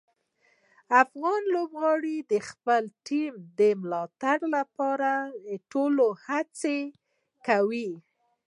افغان لوبغاړي د خپلې ټیم د ملاتړ لپاره ټولې هڅې کوي.